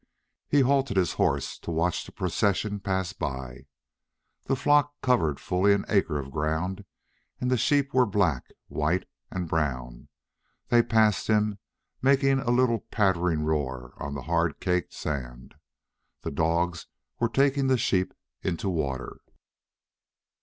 He halted his horse to watch the procession pass by. The flock covered fully an acre of ground and the sheep were black, white, and brown. They passed him, making a little pattering roar on the hard caked sand. The dogs were taking the sheep in to water.